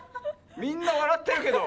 みんなわらってるけど。